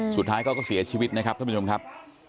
สุดท้ายเขาก็เสียชีวิตนะครับท่านผู้ชมครับ